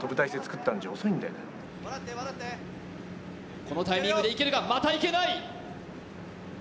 このタイミングで行けるか、また行けない。